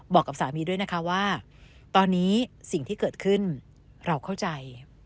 บอกกับสามีด้วยนะคะว่าตอนนี้สิ่งที่เกิดขึ้นเราเข้าใจ